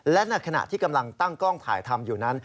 และในขณะที่กำลังตั้งกล้องถ่ายทำอยู่นั้น